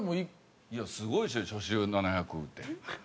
いやすごいでしょ初週７００って。